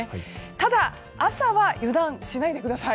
ただ朝は油断しないでください。